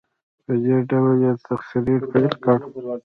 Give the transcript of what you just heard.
په دې ډول یې تقریر پیل کړ.